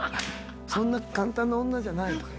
「そんな簡単な女じゃない」とか。